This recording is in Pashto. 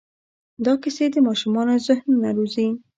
دا کیسې د ماشومانو ذهنونه روزي.